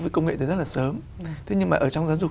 với công nghệ từ rất là sớm thế nhưng mà ở trong giáo dục